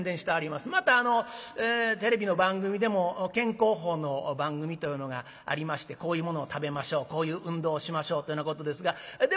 またテレビの番組でも健康法の番組というのがありましてこういうものを食べましょうこういう運動をしましょうというようなことですがで